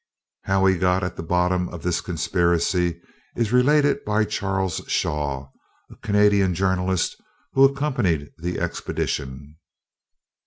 How he got at the bottom of this conspiracy is related by Charles Shaw, a Canadian journalist who accompanied the expedition.